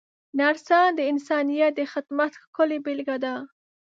نرسان د انسانیت د خدمت ښکلې بېلګه ده.